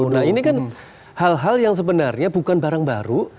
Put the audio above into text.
nah ini kan hal hal yang sebenarnya bukan barang baru